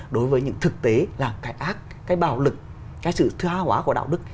đối với những thực tế là cái ác cái bạo lực cái sự thoa hóa của đạo đức